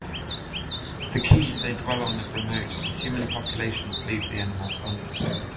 The cays they dwell on are remote and human populations leave the animals undisturbed.